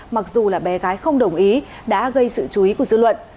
mặc dù là bé gái không đồng ý đã gây sự chú ý của dư luận